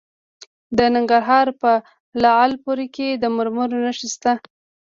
د ننګرهار په لعل پورې کې د مرمرو نښې شته.